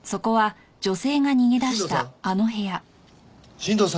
新堂さん。